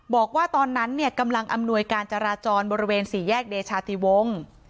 บอกว่าตอนนั้นเนี่ยกำลังอำนวยการจราจรบริเวณสี่แยกเดชาติวงศ์